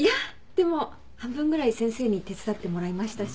でも半分ぐらい先生に手伝ってもらいましたし。